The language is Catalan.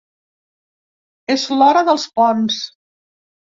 És l’hora dels ponts.